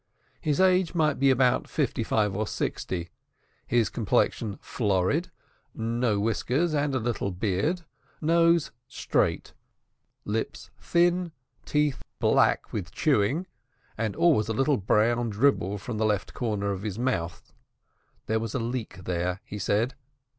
His age might be about fifty five or sixty; his complexion florid, no whiskers and little beard, nose straight, lips thin, teeth black with chewing, and always a little brown dribble from the left corner of his mouth (there was a leak there, he said).